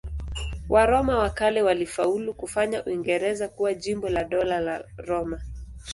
Waroma wa kale walifaulu kufanya Uingereza kuwa jimbo la Dola la Roma.